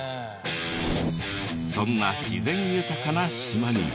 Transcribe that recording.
そんな自然豊かな島に。